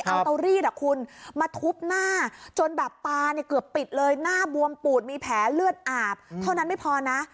เอาเตารีดคุณมาทุบหน้าจนแบบตาเนี่ยเกือบปิดเลยหน้าบวมปูดมีแผลเลือดอาบเท่านั้นไม่พอนะ